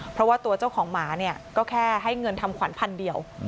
เพราะว่าตัวเจ้าของหมาเนี่ยก็แค่ให้เงินทำขวัญพันเดียว